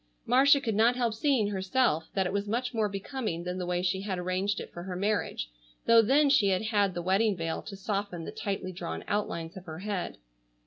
Marcia could not help seeing herself that it was much more becoming than the way she had arranged it for her marriage, though then she had had the wedding veil to soften the tightly drawn outlines of her head.